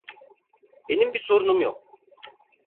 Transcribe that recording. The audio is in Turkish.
Benim bir sorunum yok.